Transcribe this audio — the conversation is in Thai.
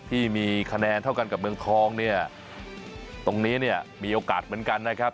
ที่มีคะแนนเท่ากันกับเมืองทองเนี่ยตรงนี้เนี่ยมีโอกาสเหมือนกันนะครับ